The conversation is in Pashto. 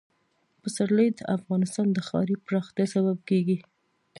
پسرلی د افغانستان د ښاري پراختیا سبب کېږي.